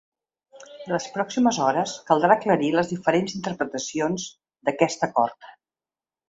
Les pròximes hores caldrà aclarir les diferents interpretacions d’aquest acord.